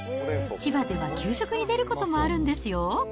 千葉では給食に出ることもあるんですよ。